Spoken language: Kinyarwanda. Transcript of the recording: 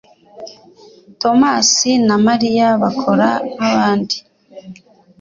Tomasi na Mariya bakora nkabandi